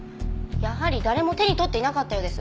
やはり誰も手に取っていなかったようです。